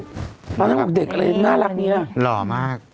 ตอนนั้นน้องยอดเป็นเด็กอะไรน่ารักนี้อ่ะหล่อมาก